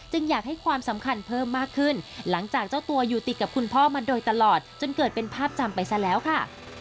อยากให้ความสำคัญเพิ่มมากขึ้นหลังจากเจ้าตัวอยู่ติดกับคุณพ่อมาโดยตลอดจนเกิดเป็นภาพจำไปซะแล้วค่ะ